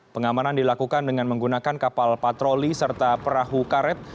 pengamanan dilakukan dengan menggunakan kapal patroli serta perahu karet